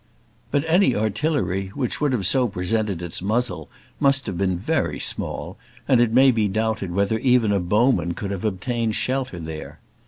But any artillery which would have so presented its muzzle must have been very small, and it may be doubted whether even a bowman could have obtained shelter there.